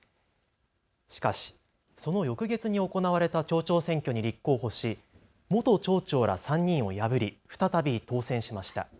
しかし、その翌月に行われた町長選挙に立候補し元町長ら３人を破り再び当選しました。